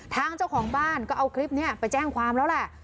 ทางเจ้าของบ้านก็เอาคลิปนี้ไปแจ้งความแล้วแหละ